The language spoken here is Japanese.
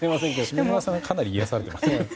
下村さんがかなり癒やされていましたね。